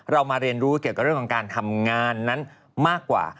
มาเรียนรู้เกี่ยวกับเรื่องของการทำงานนั้นมากกว่า